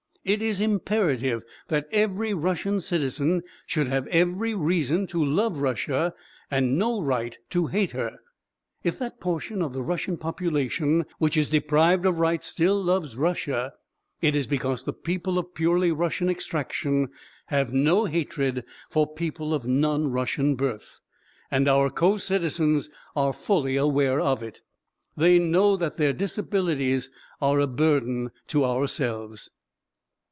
It is imperative that every Russian citizen should have every reason to love Russia and no right to hate her. If that portion of the Russian population which is deprived of rights still loves Russia, it is because the people of purely Russian extraction have no hatred for people of non Russian birth, and our co citizens are fully aware of it. They know that their disabilities are a burden to ourselves.